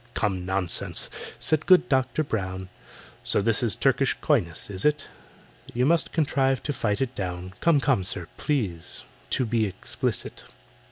"Come, nonsense!" said good DOCTOR BROWN. "So this is Turkish coyness, is it? You must contrive to fight it down— Come, come, sir, please to be explicit."